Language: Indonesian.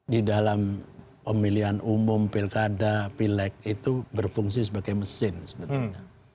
di dalam pemilihan umum pilkada pilek itu berfungsi sebagai mesin sebetulnya